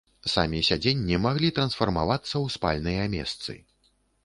Самі сядзенні маглі трансфармавацца ў спальныя месцы.